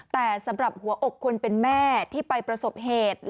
แต่สำหรับหัวอกคนเป็นแม่ที่ไปประสบเหตุ